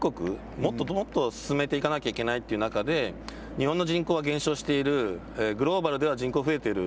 もっともっと進めていかなければいけないという中で、日本の人口は減少しているグローバルでは人口が増えている。